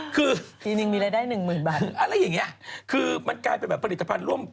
คืออะไรอย่างนี้คือมันกลายเป็นแบบผลิตภัณฑ์ร่วม